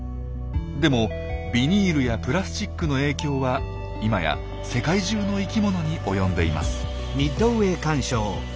でもビニールやプラスチックの影響は今や世界中の生きものに及んでいます。